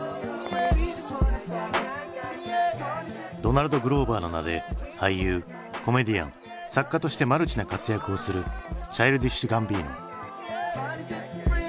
ドナルド・グローバーの名で俳優コメディアン作家としてマルチな活躍をするチャイルディッシュ・ガンビーノ。